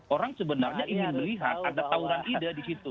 orang sebenarnya ingin melihat ada tawuran ide di situ